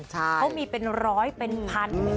เขามีเป็นร้อยเป็นพัน